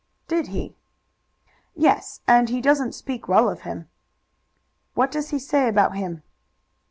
"Did he?" "Yes, and he doesn't speak well of him." "What does he say about him?"